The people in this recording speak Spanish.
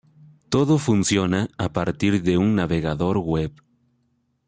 Todo funciona a partir de un navegador web.